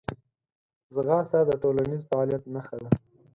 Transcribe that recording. ځغاسته د ټولنیز فعالیت نښه ده